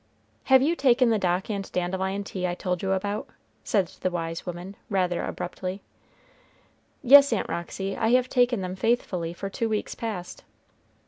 "Have you taken the dock and dandelion tea I told you about?" said the wise woman, rather abruptly. "Yes, Aunt Roxy, I have taken them faithfully for two weeks past."